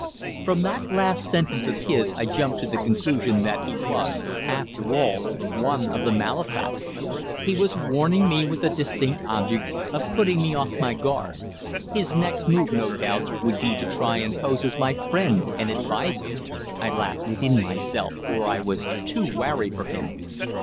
From that last sentence of his I jumped to the conclusion that he was, after all, one of the malefactors. He was warning me with the distinct object of putting me off my guard. His next move, no doubt, would be to try and pose as my friend and adviser! I laughed within myself, for I was too wary for him.